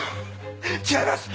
違います！